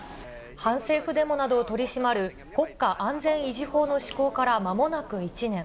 反政府デモなどを取り締まる国家安全維持法の施行からまもなく１年。